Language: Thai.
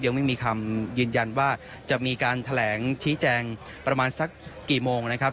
ยังไม่มีคำยืนยันว่าจะมีการแถลงชี้แจงประมาณสักกี่โมงนะครับ